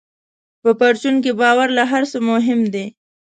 په پرچون کې باور له هر څه مهم دی.